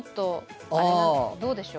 どうでしょう？